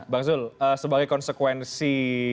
bang zul sebagai konsekuensi